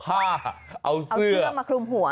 ผ้าเอาเสื้อเอาเสื้อมาคลุมหัว